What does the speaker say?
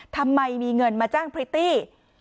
ทำไมมีเงินมาจ้างพริตตี้